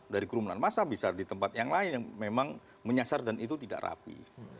dari kerumunan masa bisa di tempat yang lain yang memang menyasar dan itu tidak rapi